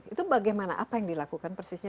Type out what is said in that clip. itu bagaimana apa yang dilakukan persisnya